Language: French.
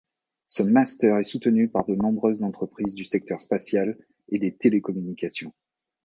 Ce Master est soutenu par de nombreuses entreprises du secteur spatial et des télécommunications.